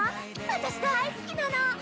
私大好きなの。